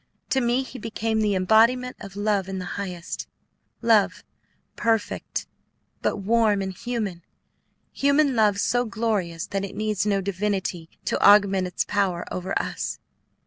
To me he became the embodiment of Love in the highest, Love perfect, but warm and human; human Love so glorious that it needs no divinity to augment its power over us.